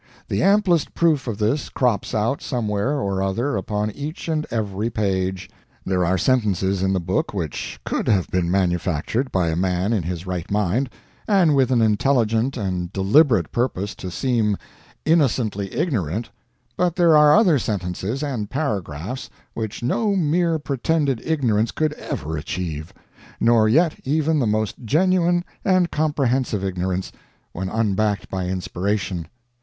The amplest proof of this crops out somewhere or other upon each and every page. There are sentences in the book which could have been manufactured by a man in his right mind, and with an intelligent and deliberate purposes to seem innocently ignorant; but there are other sentences, and paragraphs, which no mere pretended ignorance could ever achieve nor yet even the most genuine and comprehensive ignorance, when unbacked by inspiration.